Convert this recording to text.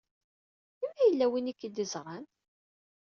I ma yella win i k-id-iẓṛan?